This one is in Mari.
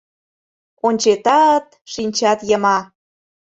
Ончетат, шинчат йыма.